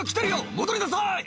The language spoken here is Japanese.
戻りなさい！」